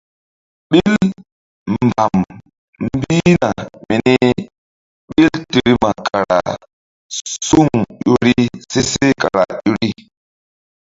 Ɓil mbam mbihna mini ɓil tirim kara suŋ ƴo ri seh kara ƴo ri.